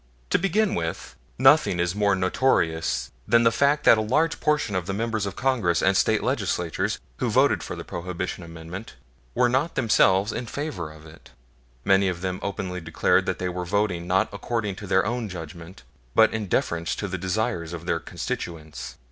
To begin with, nothing is more notorious than the fact that a large proportion of the members of Congress and State Legislatures who voted for the Prohibition Amendment were not themselves in favor of it. Many of them openly declared that they were voting not according to their own judgment but in deference to the desire of their constituents.